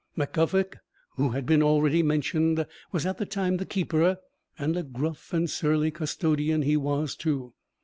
Mac Guffog, who has been already mentioned, was at the time the keeper; and a gruff and surly custodian he was, too.